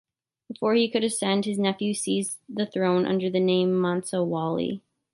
Before he could ascend, his nephew seized the throne under the name Mansa Wali.